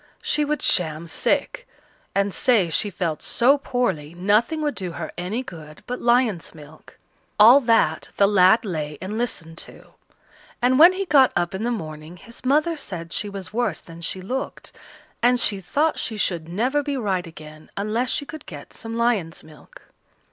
She would sham sick, and say she felt so poorly, nothing would do her any good but lion's milk. All that the lad lay and listened to; and when he got up in the morning his mother said she was worse than she looked, and she thought she should never be right again unless she could get some lion's milk.